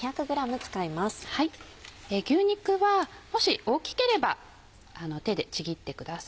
牛肉はもし大きければ手でちぎってください。